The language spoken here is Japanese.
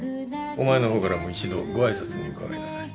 お前の方からも一度ご挨拶に伺いなさい。